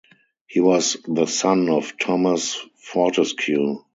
He was the son of Thomas Fortescue.